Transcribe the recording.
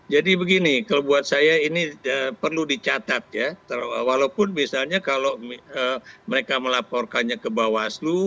jadi begini kalau buat saya ini perlu dicatat ya walaupun misalnya kalau mereka melaporkannya ke bawaslu